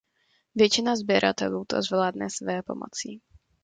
Většina sběratelů to zvládne svépomocí.